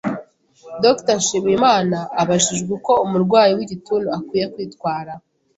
Dr. Nshimiyimana abajijwe uko umurwayi w’igituntu akwiye kwitwara,